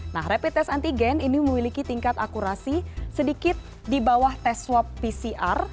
nah rapid test antigen ini memiliki tingkat akurasi sedikit di bawah tes swab pcr